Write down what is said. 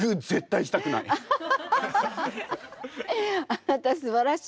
あなたすばらしいわね。